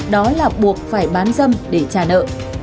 đó là buộc phải bán dâm để trả nợ